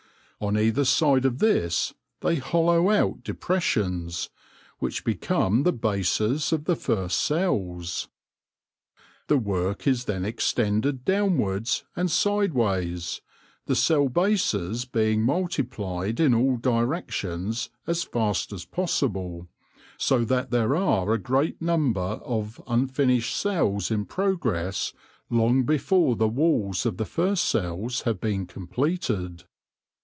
On either side of this they hollow out depressions, which become the bases of the first cells. The work is then extended downwards and sideways, the cell bases being multi plied in all directions as fast as possible, so that there are a great number of unfinished cells in progress long before the walls of the first cells have been completed.